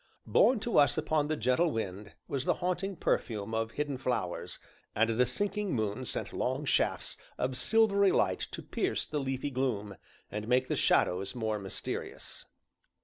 Borne to us upon the gentle wind was the haunting perfume of hidden flowers, and the sinking moon sent long shafts of silvery light to pierce the leafy gloom, and make the shadows more mysterious.